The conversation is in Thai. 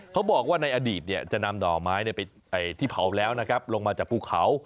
เขาบอกว่าในอดีตจะนำหน่อไม้ที่เผาแล้วนะครับลงมาจากภูเขา